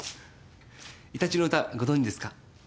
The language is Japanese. イタチの歌ご存じですか？